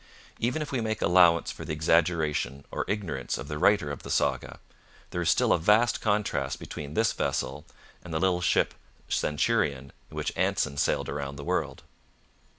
Even if we make allowance for the exaggeration or ignorance of the writer of the saga, there is still a vast contrast between this vessel and the little ship Centurion in which Anson sailed round the world.